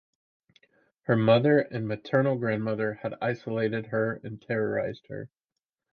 Her mother and maternal grandmother had isolated her and terrorized her.